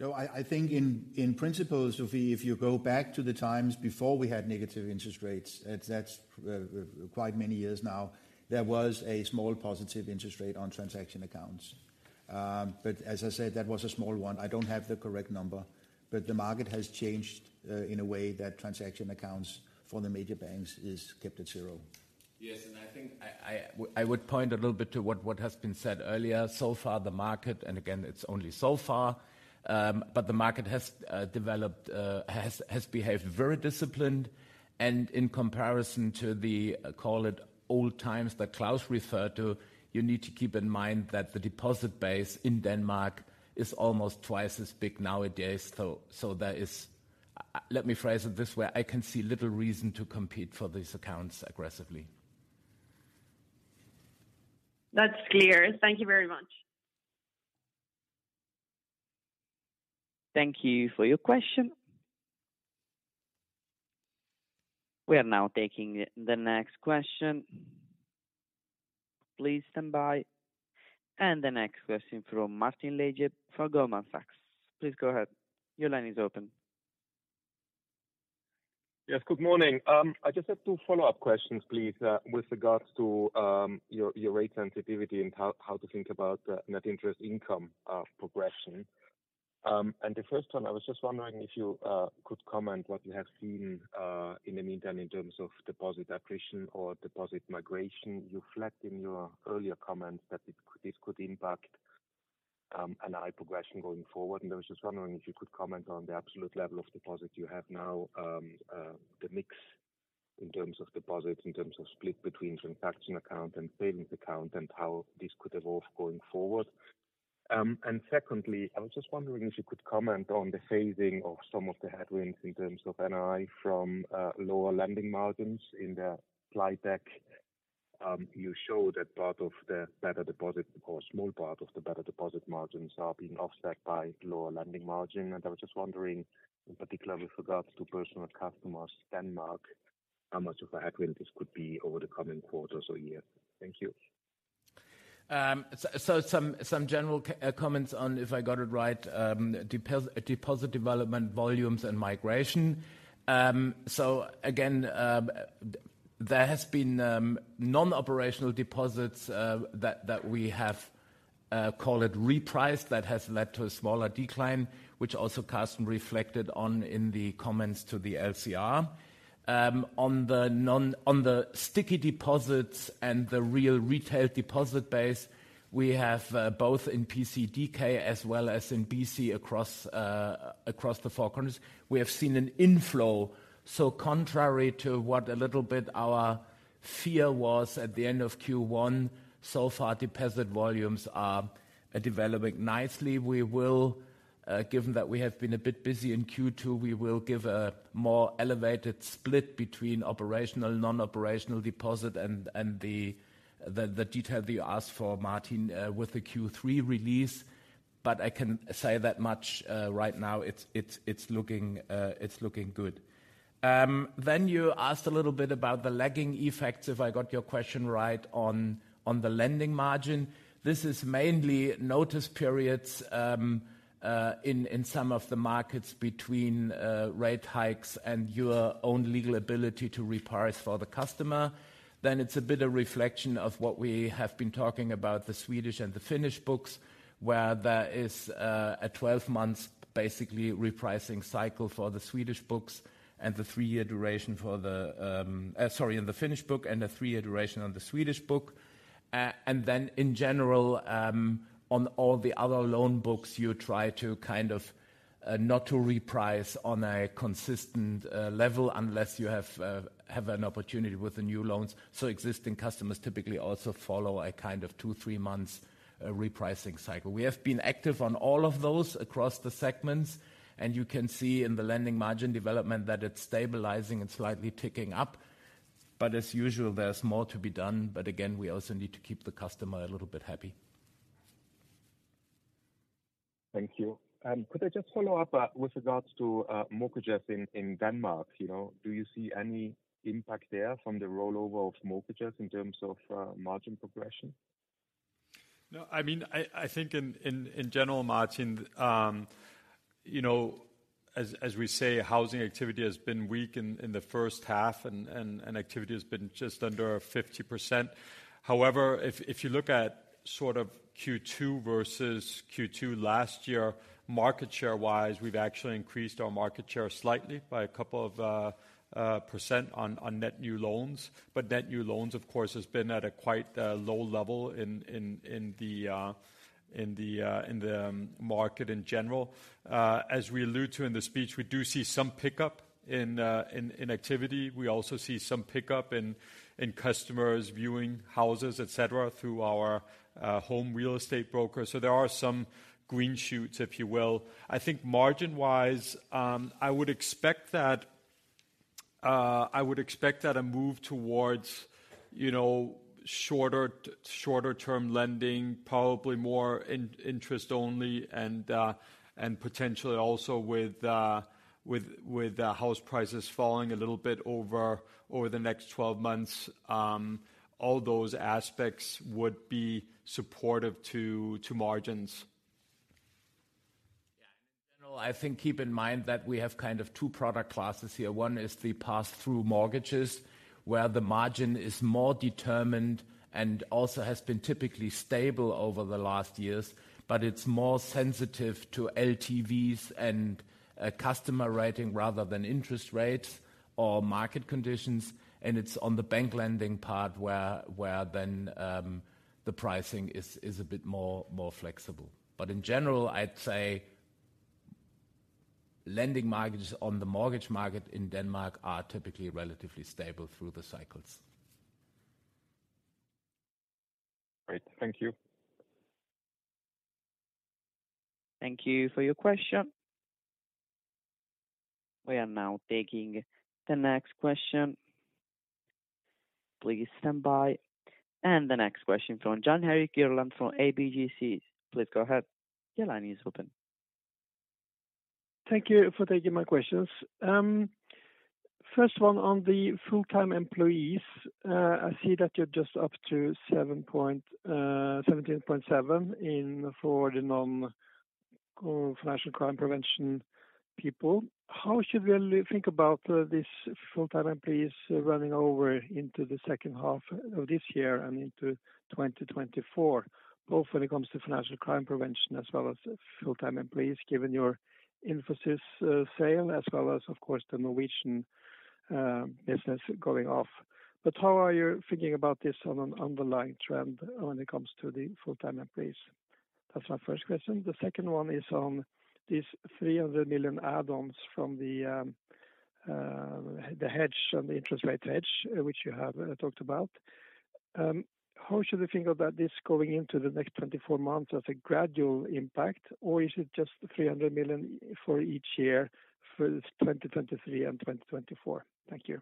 No, I think in principle, Sofie, if you go back to the times before we had negative interest rates, that's quite many years now, there was a small positive interest rate on transaction accounts. As I said, that was a small one. I don't have the correct number, but the market has changed in a way that transaction accounts for the major banks is kept at 0. Yes, I think I would point a little bit to what has been said earlier. So far, the market, and again, it's only so far, but the market has developed, has behaved very disciplined. In comparison to the, call it old times that Claus referred to, you need to keep in mind that the deposit base in Denmark is almost twice as big nowadays, let me phrase it this way: I can see little reason to compete for these accounts aggressively. That's clear. Thank you very much. Thank you for your question. We are now taking the next question. Please stand by. The next question from Martin Leitgeb for Goldman Sachs. Please go ahead. Your line is open. Yes, good morning. I just have 2 follow-up questions, please, with regards to your rate sensitivity and how to think about net interest income progression. The first one, I was just wondering if you could comment what you have seen in the meantime, in terms of deposit attrition or deposit migration. You flagged in your earlier comments that this could impact NII progression going forward, and I was just wondering if you could comment on the absolute level of deposits you have now, the mix in terms of deposits, in terms of split between transaction account and savings account, and how this could evolve going forward. Secondly, I was just wondering if you could comment on the phasing of some of the headwinds in terms of NII from lower lending margins. In the slide deck, you show that part of the better deposit or a small part of the better deposit margins are being offset by lower lending margin, and I was just wondering, in particular with regards to personal customers, Denmark, how much of a headwind this could be over the coming quarters or year? Thank you. Some general comments on if I got it right, deposit development, volumes, and migration. Again, there has been non-operational deposits that we have call it repriced, that has led to a smaller decline, which also Carsten reflected on in the comments to the LCR. On the sticky deposits and the real retail deposit base, we have both in PCDK as well as in BC across the four countries, we have seen an inflow. Contrary to what a little bit our fear was at the end of Q1, so far, deposit volumes are developing nicely. We will, given that we have been a bit busy in Q2, we will give a more elevated split between operational, non-operational deposit and the detail that you asked for, Martin, with the Q3 release. I can say that much right now, it's looking good. You asked a little bit about the lagging effects, if I got your question right on the lending margin. This is mainly notice periods in some of the markets between rate hikes and your own legal ability to reprice for the customer. It's a bit of reflection of what we have been talking about, the Swedish and the Finnish books, where there is a 12 months, basically, repricing cycle for the Swedish books and the 3-year duration for the. Sorry, in the Finnish book and a 3-year duration on the Swedish book. In general, on all the other loan books, you try to, kind of, not to reprice on a consistent level unless you have an opportunity with the new loans. Existing customers typically also follow a kind of 2, 3 months repricing cycle. We have been active on all of those across the segments, and you can see in the lending margin development that it's stabilizing and slightly ticking up. As usual, there's more to be done, but again, we also need to keep the customer a little bit happy. Thank you. Could I just follow up with regards to mortgages in Denmark? You know, do you see any impact there from the rollover of mortgages in terms of margin progression? No, I mean, I think in general, Martin, you know, as we say, housing activity has been weak in the first half, and activity has been just under 50%. However, if you look at sort of Q2 versus Q2 last year, market share-wise, we've actually increased our market share slightly by a couple of percent on net new loans. Net new loans, of course, has been at a quite low level in the market in general. As we allude to in the speech, we do see some pickup in activity. We also see some pickup in customers viewing houses, et cetera, through our home real estate brokers. There are some green shoots, if you will. I think margin-wise, I would expect that a move towards, you know, shorter-term lending, probably more in-interest only, and potentially also with the house prices falling a little bit over the next 12 months, all those aspects would be supportive to margins. In general, I think keep in mind that we have kind of two product classes here. One is the pass-through mortgages, where the margin is more determined and also has been typically stable over the last years, but it's more sensitive to LTVs and customer rating rather than interest rates or market conditions, and it's on the bank lending part where then the pricing is a bit more flexible. In general, I'd say lending margins on the mortgage market in Denmark are typically relatively stable through the cycles. Great. Thank you. Thank you for your question. We are now taking the next question. Please stand by. The next question from John Harry Girland from ABGSC. Please go ahead. Your line is open. Thank you for taking my questions. First one on the full-time employees. I see that you're just up to 17.7 in for the non-national crime prevention people. How should we think about this full-time employees running over into the second half of this year and into 2024, both when it comes to financial crime prevention as well as full-time employees, given your Eviden sale, as well as, of course, the Norwegian business going off? How are you thinking about this on an underlying trend when it comes to the full-time employees? That's my first question. The second one is on these 300 million add-ons from the hedge, on the interest rate hedge, which you have talked about. How should we think about this going into the next 24 months as a gradual impact, or is it just 300 million for each year, for this 2023 and 2024? Thank you.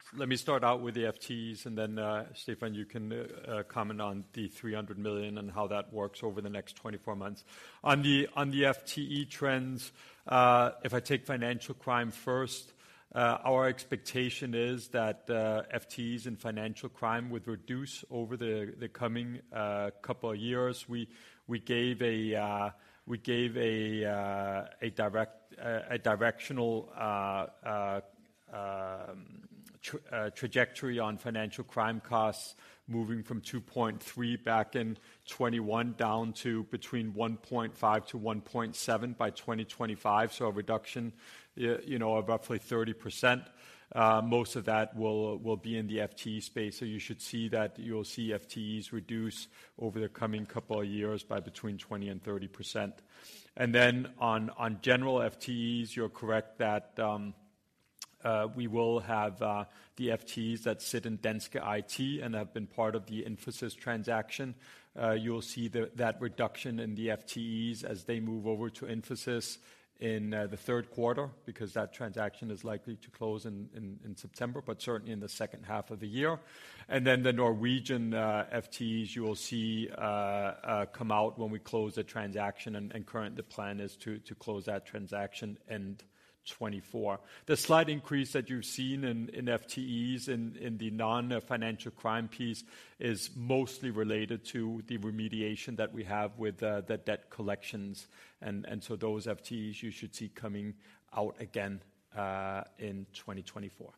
Thanks. Let me start out with the FTEs. Stefan, you can comment on 300 million and how that works over the next 24 months. On the FTE trends, if I take financial crime first, our expectation is that FTEs in financial crime would reduce over the coming couple of years. We gave a directional trajectory on financial crime costs moving from 2.3 billion back in 2021, down to between 1.5 billion-1.7 billion by 2025. A reduction, you know, of roughly 30%. Most of that will be in the FTE space, so you should see that you'll see FTEs reduce over the coming couple of years by between 20% and 30%. On general FTEs, you're correct that we will have the FTEs that sit in Danske IT and have been part of the Eviden transaction. You'll see that reduction in the FTEs as they move over to Eviden in the 3rd quarter, because that transaction is likely to close in September, but certainly in the 2nd half of the year. The Norwegian FTEs, you will see come out when we close the transaction, and current the plan is to close that transaction end 2024. The slight increase that you've seen in FTEs in the non-financial crime piece is mostly related to the remediation that we have with the debt collections, and so those FTEs you should see coming out again in 2024.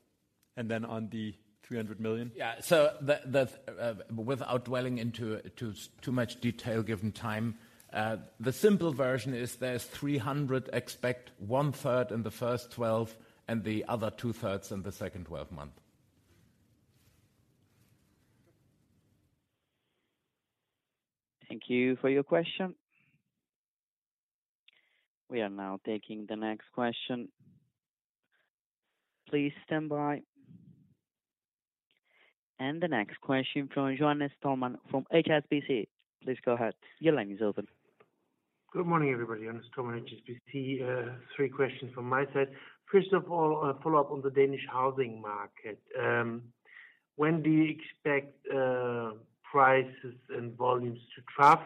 Then on the 300 million? Yeah. The, without dwelling into too much detail, given time, the simple version is there's 300, expect one-third in the first 12 and the other two-thirds in the second 12 months. Thank you for your question. We are now taking the next question. Please stand by. The next question from Johannes Thormann from HSBC. Please go ahead. Your line is open. Good morning, everybody. Johannes Thormann, HSBC. Three questions from my side. First of all, a follow-up on the Danish housing market. When do you expect prices and volumes to trough?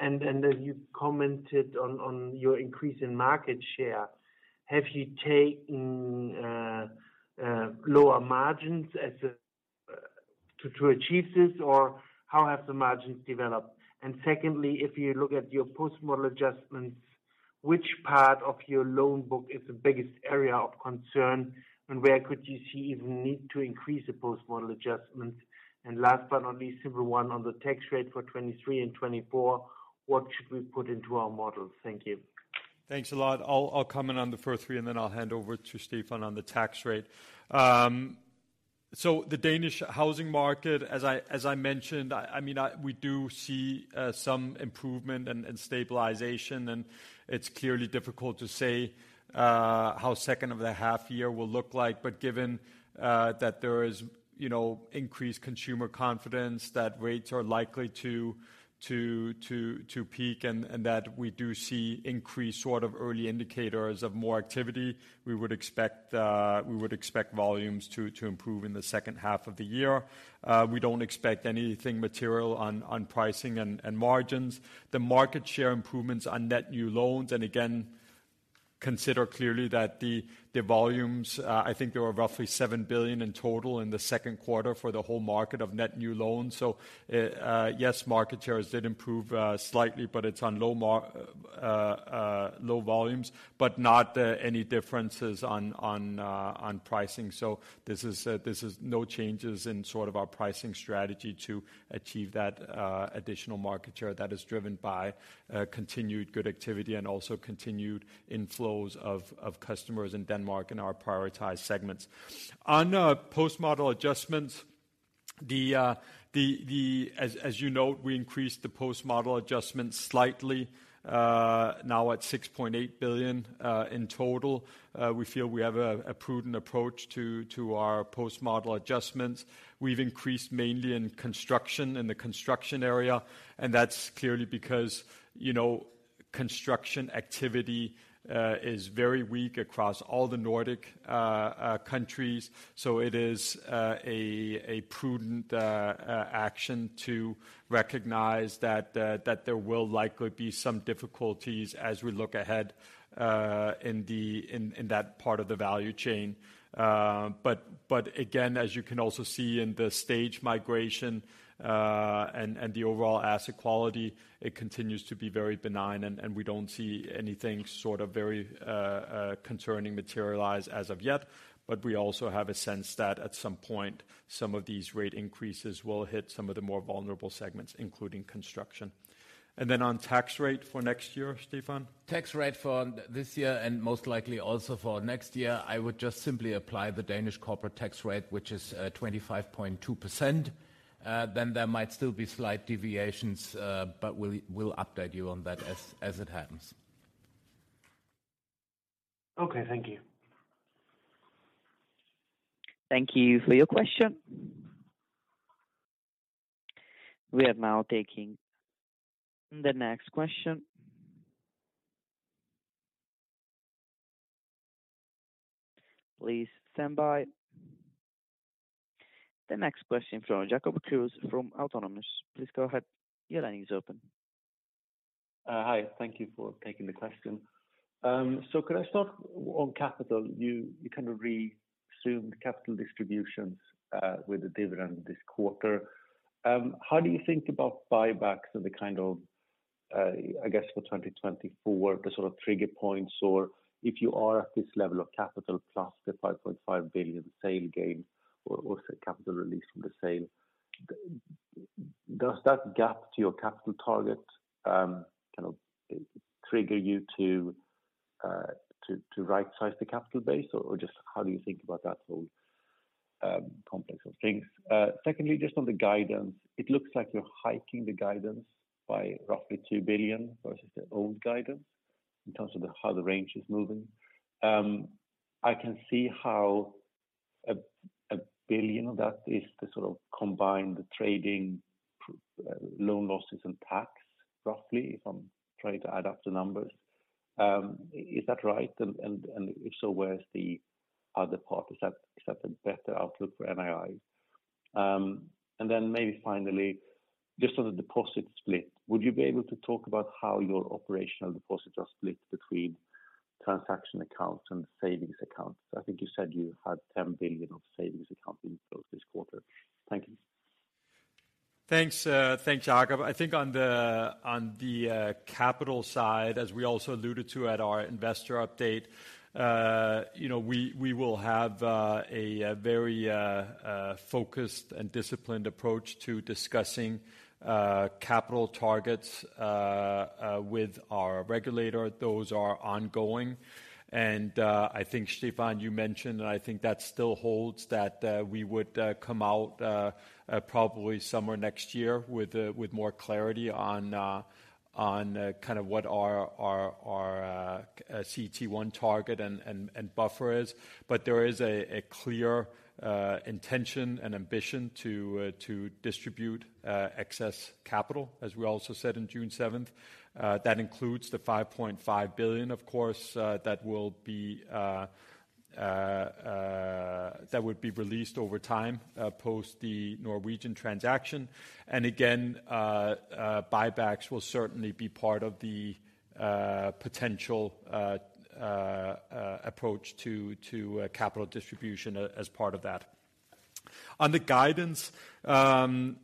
Then as you commented on your increase in market share, have you taken lower margins as a to achieve this, or how have the margins developed? Secondly, if you look at your post-model adjustments, which part of your loan book is the biggest area of concern, and where could you see even need to increase the post-model adjustments? Last but not least, simple one on the tax rate for 2023 and 2024, what should we put into our models? Thank you. Thanks a lot. I'll comment on the first three. Then I'll hand over to Stefan on the tax rate. The Danish housing market, as I mentioned, I mean, we do see some improvement and stabilization, and it's clearly difficult to say how second of the half year will look like. Given that there is, you know, increased consumer confidence, that rates are likely to peak, and that we do see increased sort of early indicators of more activity, we would expect volumes to improve in the second half of the year. We don't expect anything material on pricing and margins. The market share improvements on net new loans, again, consider clearly that the volumes, I think there were roughly 7 billion in total in 2Q for the whole market of net new loans. Yes, market shares did improve slightly, but it's on low volumes, but not any differences on pricing. This is no changes in sort of our pricing strategy to achieve that additional market share that is driven by continued good activity and also continued inflows of customers in Denmark in our prioritized segments. On post-model adjustments, the, as you note, we increased the post-model adjustments slightly, now at 6.8 billion in total. We feel we have a prudent approach to our post-model adjustments. We've increased mainly in construction, in the construction area. That's clearly because, you know, construction activity is very weak across all the Nordic countries. It is a prudent action to recognize that there will likely be some difficulties as we look ahead in that part of the value chain. Again, as you can also see in the stage migration and the overall asset quality, it continues to be very benign, and we don't see anything sort of very concerning materialize as of yet. We also have a sense that at some point, some of these rate increases will hit some of the more vulnerable segments, including construction. Then on tax rate for next year, Stefan? Tax rate for this year and most likely also for next year, I would just simply apply the Danish corporate tax rate, which is 25.2%. There might still be slight deviations, but we'll update you on that as it happens. Okay, thank you. Thank you for your question. We are now taking the next question. Please stand by. The next question from Jacob Kruse from Autonomous Research. Please go ahead. Your line is open. Hi, thank you for taking the question. Could I start on capital? You kind of reassumed capital distributions with the dividend this quarter. How do you think about buybacks and the kind of, I guess, for 2024, the sort of trigger points, or if you are at this level of capital plus the 5.5 billion sale gain or say, capital release from the sale, does that gap to your capital target kind of trigger you to rightsize the capital base? Or just how do you think about that whole complex of things? Secondly, just on the guidance, it looks like you're hiking the guidance by roughly 2 billion versus the old guidance, in terms of the how the range is moving. I can see how 1 billion of that is the sort of combined trading, loan losses and tax, roughly, if I'm trying to add up the numbers. Is that right? If so, where's the other part? Is that a better outlook for NII? Maybe finally, just on the deposit split, would you be able to talk about how your operational deposits are split between transaction accounts and savings accounts? I think you said you had 10 billion of savings accounts in growth this quarter. Thank you. Thanks, thanks, Jacob. I think on the capital side, as we also alluded to at our investor update, you know, we will have a very focused and disciplined approach to discussing capital targets with our regulator. Those are ongoing, I think, Stefan, you mentioned, and I think that still holds, that we would come out probably somewhere next year with more clarity on kind of what our CET1 target and buffer is. There is a clear intention and ambition to distribute excess capital, as we also said in June seventh. That includes the 5.5 billion, of course, that would be released over time, post the Norwegian transaction. Again, buybacks will certainly be part of the potential approach to capital distribution as part of that. On the guidance, you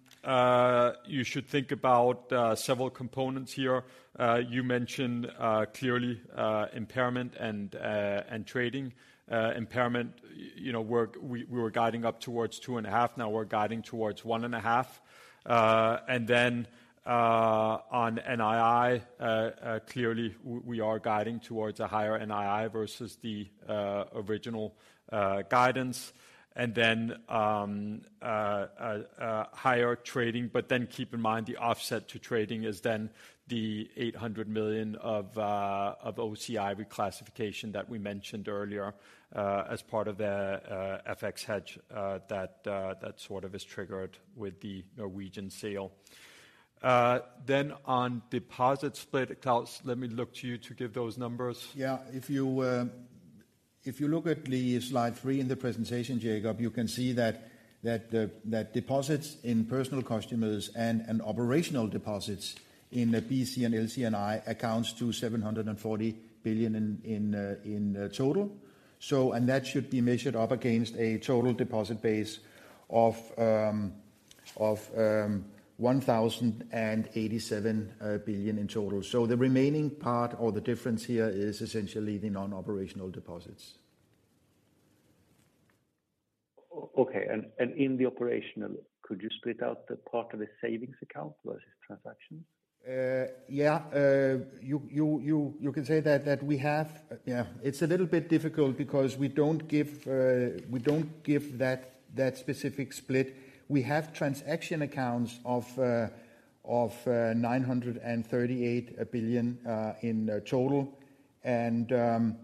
should think about several components here. You mentioned clearly impairment and trading. Impairment, you know, we were guiding up towards 2.5, now we're guiding towards 1.5. On NII, clearly, we are guiding towards a higher NII versus the original guidance, higher trading. Keep in mind, the offset to trading is then the 800 million of OCI reclassification that we mentioned earlier, as part of the FX hedge that that sort of is triggered with the Norwegian sale. On deposit split, Claus, let me look to you to give those numbers. Yeah. If you, if you look at the slide 3 in the presentation, Jacob, you can see that deposits in personal customers and operational deposits in the BC and LCNI accounts to 740 billion in total. That should be measured up against a total deposit base of 1,087 billion in total. The remaining part or the difference here is essentially the non-operational deposits. okay, and in the operational, could you split out the part of the savings account versus transactions? Yeah, you can say that we have. Yeah, it's a little bit difficult because we don't give that specific split. We have transaction accounts of 938 billion in total, and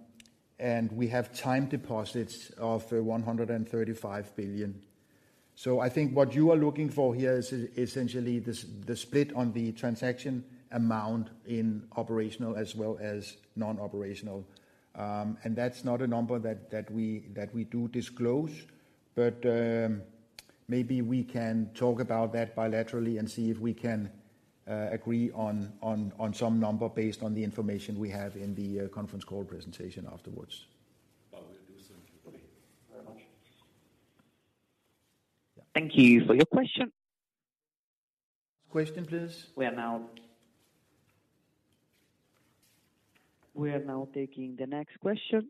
we have time deposits of 135 billion. I think what you are looking for here is essentially the split on the transaction amount in operational as well as non-operational. That's not a number that we do disclose. Maybe we can talk about that bilaterally and see if we can agree on some number based on the information we have in the conference call presentation afterwards. We'll do so. Thank you very much. Thank you for your question. Question, please. We are now taking the next question.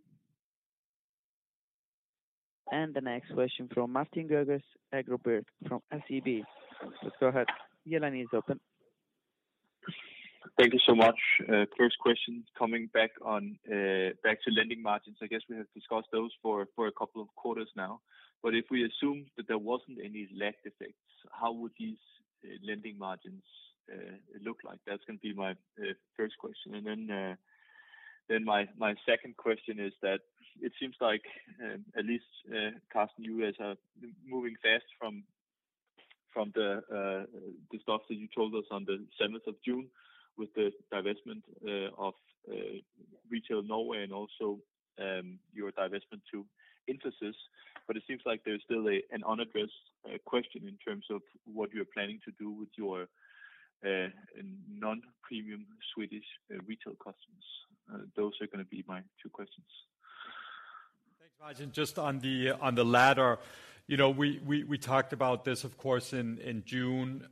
The next question from Martin Georgsen, Gregers Birk, from SEB. Let's go ahead. Your line is open. Thank you so much. First question, coming back on back to lending margins. I guess we have discussed those for a couple of quarters now. If we assume that there wasn't any lag effects, how would these lending margins look like? That's gonna be my first question. Then my second question is that it seems like, at least Carsten, you guys are moving fast from the stocks that you told us on the seventh of June with the divestment of Retail Norway and also your divestment to Eviden. It seems like there's still an unaddressed question in terms of what you're planning to do with your non-premium Swedish retail customers. Those are gonna be my two questions. Thanks, Martin. Just on the latter, you know, we talked about this, of course, in June.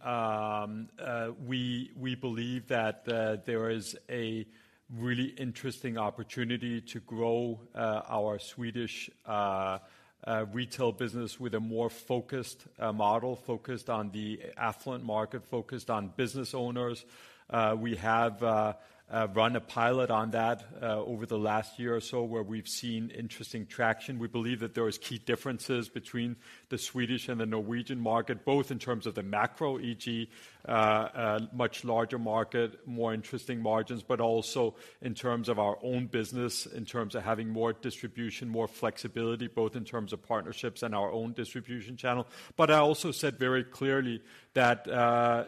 We believe that there is a really interesting opportunity to grow our Swedish retail business with a more focused model. Focused on the affluent market, focused on business owners. We have run a pilot on that over the last year or so, where we've seen interesting traction. We believe that there is key differences between the Swedish and the Norwegian market, both in terms of the macro, e.g., a much larger market, more interesting margins, but also in terms of our own business, in terms of having more distribution, more flexibility, both in terms of partnerships and our own distribution channel. I also said very clearly that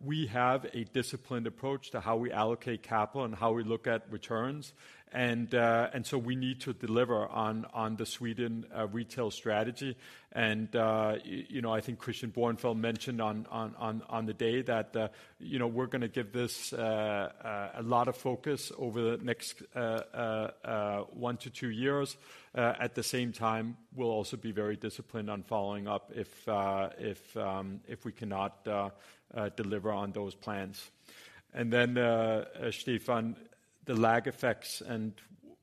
we have a disciplined approach to how we allocate capital and how we look at returns. We need to deliver on the Sweden retail strategy. You know, I think Christian Bornfeld mentioned on the day that, you know, we're gonna give this a lot of focus over the next one to two years. At the same time, we'll also be very disciplined on following up if we cannot deliver on those plans. Then, Stefan, the lag effects and,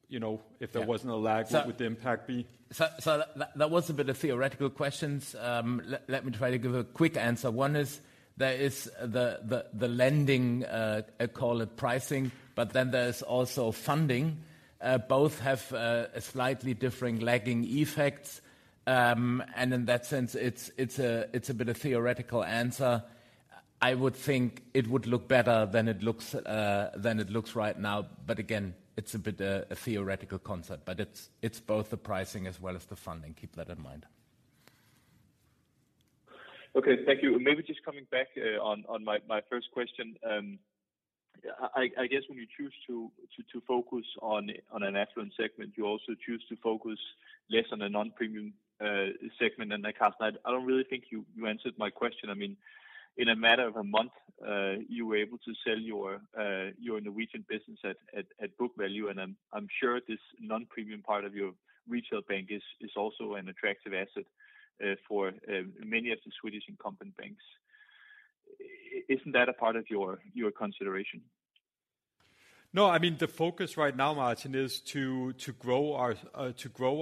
you know... Yeah. If there wasn't a lag, what would the impact be? That was a bit of theoretical questions. Let me try to give a quick answer. One is, there is the lending I call it pricing, then there's also funding. Both have a slightly different lagging effects. In that sense, it's a bit of theoretical answer. I would think it would look better than it looks than it looks right now. Again, it's a bit a theoretical concept, but it's both the pricing as well as the funding. Keep that in mind. Okay. Thank you. Maybe just coming back on my first question. I guess when you choose to focus on an affluent segment, you also choose to focus less on a non-premium segment. Carsten, I don't really think you answered my question. I mean, in a matter of a month, you were able to sell your Norwegian business at book value, and I'm sure this non-premium part of your retail bank is also an attractive asset for many of the Swedish incumbent banks. Isn't that a part of your consideration? No. I mean, the focus right now, Martin, is to grow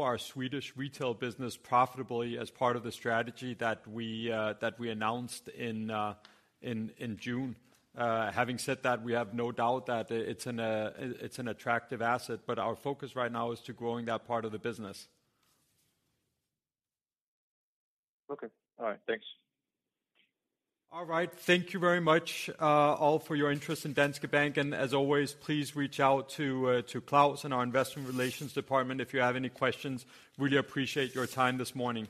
our Swedish retail business profitably as part of the strategy that we announced in June. Having said that, we have no doubt that it's an attractive asset, but our focus right now is to growing that part of the business. Okay. All right, thanks. All right. Thank you very much, all, for your interest in Danske Bank. As always, please reach out to Claus and our investment relations department if you have any questions. Really appreciate your time this morning.